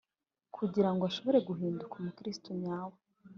kugira ngo ashobore guhinduka. umukirisitu nyawe